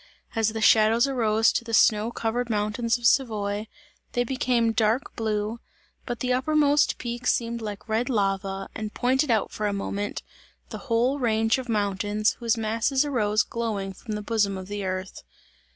As the shadows arose to the snow covered mountains of Savoy, they became dark blue, but the uppermost peak seemed like red lava and pointed out for a moment, the whole range of mountains, whose masses arose glowing from the bosom of the earth.